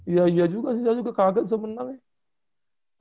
iya iya juga sih saya juga kaget bisa menang ya